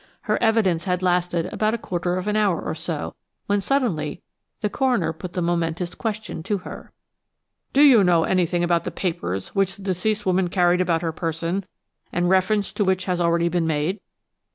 Her evidence had lasted about a quarter of an hour or so, when suddenly the coroner put the momentous question to her: "Do you know anything about the papers which the deceased woman carried about her person, and reference to which has already been made?"